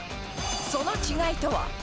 その違いとは。